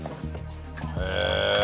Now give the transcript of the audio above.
へえ！